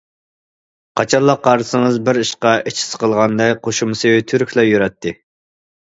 قاچانلا قارىسىڭىز بىر ئىشقا ئىچى سىقىلغاندەك قوشۇمىسى تۈرۈكلا يۈرەتتى.